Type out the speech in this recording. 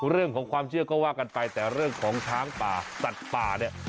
เรื่องของความเชื่อก็ว่ากันไปแต่เรื่องของช้างป่าสัตว์ป่าเนี่ย